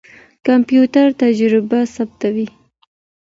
کمپيوټر تجربې ثبتوي.